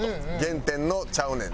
原点の「ちゃうねん」。